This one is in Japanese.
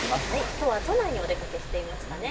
きょうは都内にお出かけしていましたね。